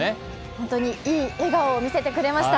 本当にいい笑顔を見せてくれました。